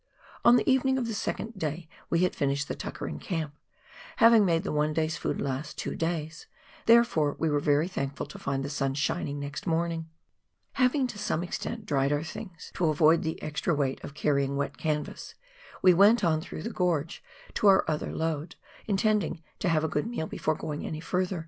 On the evening of the second wet day we had finished the " tucker " in camp, having made the one day's food last two days, therefore we were very thankful to find the sun shining next morning. Having to some extent dried our things to avoid the extra weight of carrying wet canvas, we went on through the gorge to our other load, intending to have a good meal before going any further.